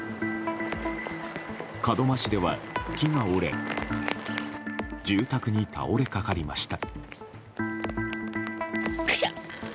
門真市では、木が折れ住宅に倒れ掛かりました。